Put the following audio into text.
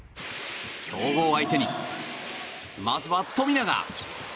強豪相手にまずは富永。